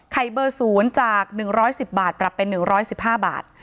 เบอร์๐จาก๑๑๐บาทปรับเป็น๑๑๕บาท